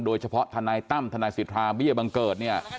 โดยเฉพาะธนายตั้มธนายศิษฐาเบี้ยบังเกิดเนี่ย